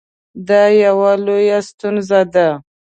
دا یوه لویه ستونزه ده